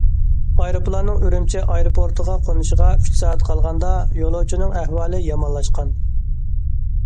ئايروپىلاننىڭ ئۈرۈمچى ئايروپورتىغا قونۇشىغا ئۈچ سائەت قالغاندا يولۇچىنىڭ ئەھۋالى يامانلاشقان.